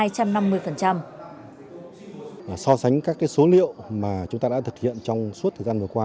so sánh các số liệu mà chúng ta đã thực hiện trong suốt thời gian vừa qua